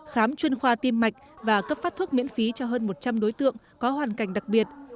khám chuyên khoa tim mạch và cấp phát thuốc miễn phí cho hơn một trăm linh đối tượng có hoàn cảnh đặc biệt